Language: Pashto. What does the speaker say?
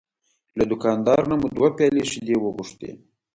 له دوکاندار نه مو دوه پیالې شیدې وغوښتې.